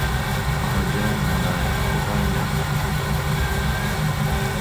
mahojiano yanafanya mazungumzo yatumie muda mrefu